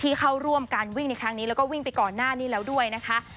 เข้าร่วมการวิ่งในครั้งนี้แล้วก็วิ่งไปก่อนหน้านี้แล้วด้วยนะคะ